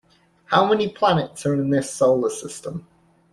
How many planets are in this solar system?